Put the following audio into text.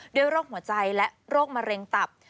โรคหัวใจและโรคมะเร็งตับ